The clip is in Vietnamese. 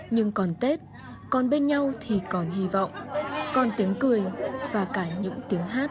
nhưng còn tết còn bên nhau thì còn hy vọng con tiếng cười và cả những tiếng hát